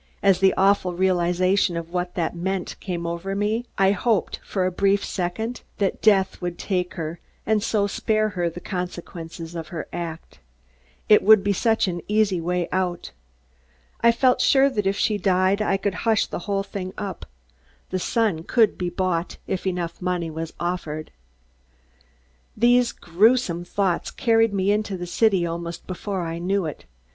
As the awful realization of what that meant came over me, I hoped, for a brief second, that death would take her and so spare her the consequences of her act. It would be such an easy way out. I felt sure that if she died I could hush the whole thing up. The Sun could be bought, if enough money was offered. These gruesome thoughts carried me into the city almost before I knew it.